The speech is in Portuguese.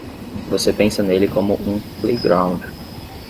Você pensa nele como um playground.